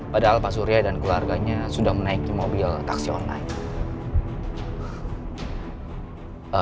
padahal pak surya dan keluarganya sudah menaiki mobil taksi online